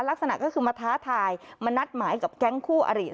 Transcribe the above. ลักษณะก็คือมาท้าทายมานัดหมายกับแก๊งคู่อริ